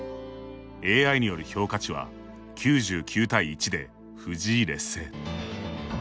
ＡＩによる評価値は９９対１で藤井劣勢。